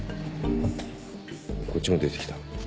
こっちも出てきた。